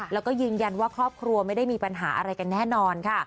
แล้วก็ยืนยันว่าครอบครัวไม่ได้มีปัญหาอะไรกันแน่นอนค่ะ